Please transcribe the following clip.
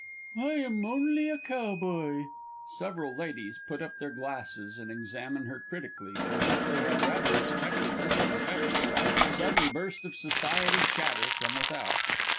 I am only a Cowboy [_Several Ladies put up their glasses, and examine her critically, as if they had rather expected this confession. Sudden burst of Society Chatter from without.